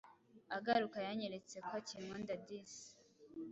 agaruka yanyeretse ko akinkunda disi